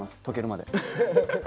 溶けるまで。